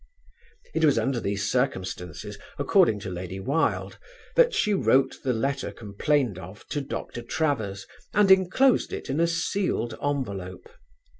It was under these circumstances, according to Lady Wilde, that she wrote the letter complained of to Dr. Travers and enclosed it in a sealed envelope.